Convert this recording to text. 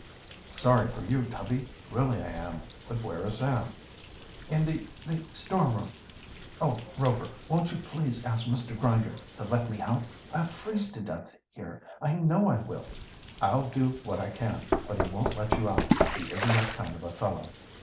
"Sorry for you, Tubby, really I am. But where is Sam?" "In the the storeroom. Oh, Rover, won't you please ask Mr. Grinder to let me out? I'll freeze to death here, I know I will!" "I'll do what I can. But he won't let you out. He isn't that kind of a fellow."